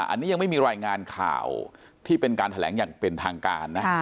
อันนี้ยังไม่มีรายงานข่าวที่เป็นการแถลงอย่างเป็นทางการนะ